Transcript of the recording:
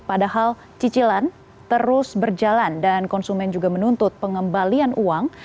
padahal cicilan terus berjalan dan konsumen juga menuntut pengembalian uang